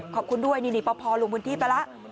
ขอบคุณด้วยนินดีปอพอลงพื้นที่ไปละ